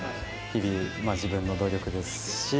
日々、自分の努力ですし。